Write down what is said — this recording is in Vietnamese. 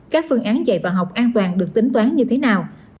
các phương án dạy và học an toàn được tính toán như thế nào